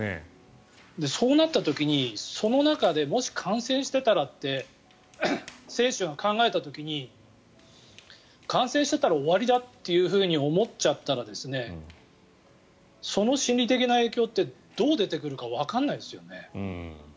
そうなった時にその中でもし感染してたらって選手が考えた時に感染してたら終わりだと考えちゃった時その心理的な影響ってどう出てくるかわからないですよね。